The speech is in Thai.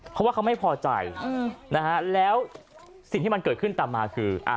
เพราะว่าเขาไม่พอใจนะฮะแล้วสิ่งที่มันเกิดขึ้นตามมาคือ